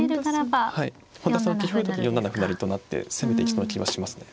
本田さんは棋風だと４七歩成と成って攻めていきそうな気はしますね。